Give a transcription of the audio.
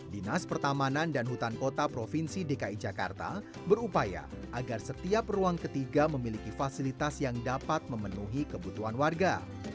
dinas pertamanan dan hutan kota provinsi dki jakarta berupaya agar setiap ruang ketiga memiliki fasilitas yang dapat memenuhi kebutuhan warga